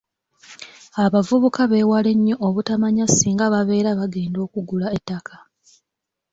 Abavubuka beewale nnyo obutamanya singa babeera bagenda okugula ettaka.